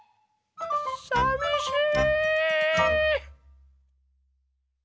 さみしい。